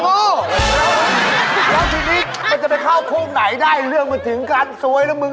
แล้วทีนี้มันจะเข้ากลุ่มไหนได้เรื่องเหมือนถึงการสวยแล้วมึง